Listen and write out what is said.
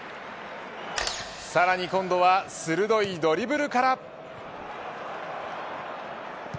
さらに今度は鋭いドリブルから。